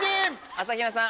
朝日奈さん。